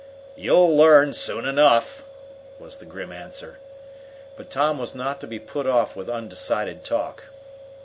"You'll learn soon enough!" was the grim answer. But Tom was not to be put off with undecided talk.